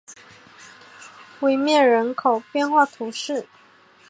威涅人口变化图示